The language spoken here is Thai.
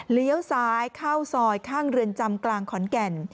เลี้ยวซ้ายเข้าซอยข้างเรือนจำกลางขอนแก่น